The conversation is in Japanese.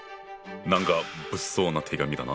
なんか物騒な手紙だな。